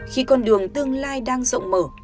khi con đường tương lai đang rộng mở